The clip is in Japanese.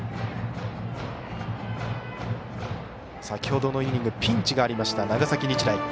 先ほどのイニングピンチがありました長崎日大。